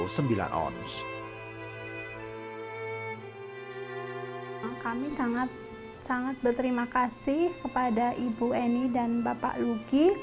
kami sangat berterima kasih kepada ibu eni dan bapak luki